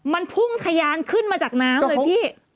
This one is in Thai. มันพุ่งทะยานขึ้นมาจากน้ำเลยพี่